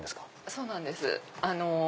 そうなんです。